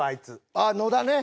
ああ野田ね。